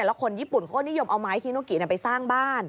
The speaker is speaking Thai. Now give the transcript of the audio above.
แล้วคนญี่ปุ่นเขาก็นิยมเอาไม้คีโนกิไปสร้างบ้าน